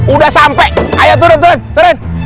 udah sampai ayo turun turun